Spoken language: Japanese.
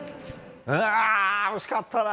惜しかったな！